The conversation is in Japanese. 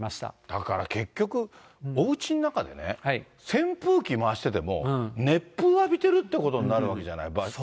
だから結局、おうちの中でね、扇風機回してても熱風を浴びてるっていうことになるじゃない。